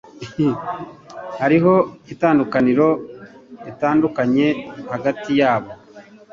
Hariho itandukaniro ritandukanye hagati yabo.